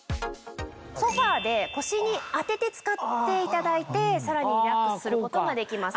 ソファで腰に当てて使っていただいてさらにリラックスすることができます。